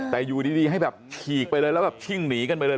แต่อยู่ดีให้แบบฉีกไปเลยแล้วแบบชิ่งหนีกันไปเลย